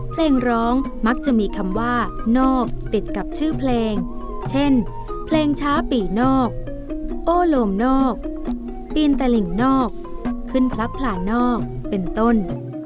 เพลงร้องมักจะมีคำว่านอกติดกับชื่อเพลงเช่นเพลงช้าปีนอกโอ้โลมนอกปีนตะหลิ่งนอกขึ้นพลับผลานอกเป็นต้น